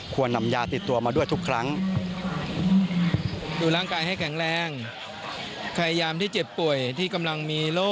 นำยาติดตัวมาด้วยทุกครั้ง